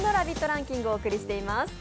ランキングをお送りしています。